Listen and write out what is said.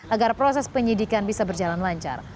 agar proses penyidikan bisa berjalan lancar